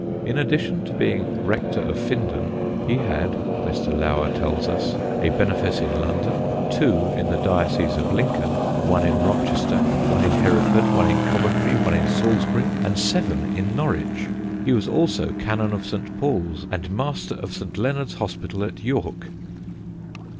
In addition to being rector of Findon, he had, Mr. Lower tells us, a benefice in London, two in the diocese of Lincoln, one in Rochester, one in Hereford, one in Coventry, one in Salisbury, and seven in Norwich. He was also Canon of St. Paul's and Master of St. Leonard's Hospital at York.